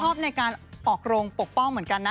ชอบในการออกโรงปกป้องเหมือนกันนะ